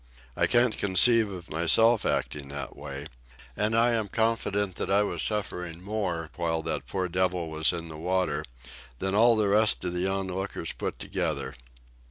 I can't conceive of myself acting that way, and I am confident that I was suffering more while that poor devil was in the water than all the rest of the onlookers put together."